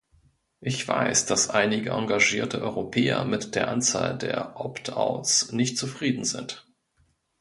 Ich weiß, dass einige engagierte Europäer mit der Anzahl der Opt-outs nicht zufrieden sind.